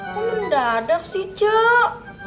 kamu dadah sih cah